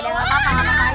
ya udah gak apa apa